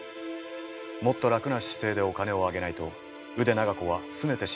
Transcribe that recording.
もっと楽な姿勢でお金をあげないと腕長子はすねてしまいます。